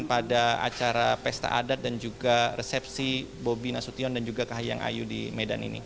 pada acara pesta adat dan juga resepsi bobi nasution dan juga kahiyang ayu di medan ini